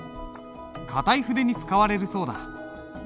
硬い筆に使われるそうだ。